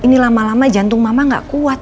ini lama lama jantung mama gak kuat